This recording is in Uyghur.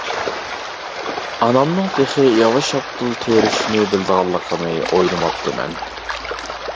ئانامنىڭ تېخى ياۋا شاپتۇل تېرىشنى بىلىدىغانلىقىنى ئويلىماپتىمەن.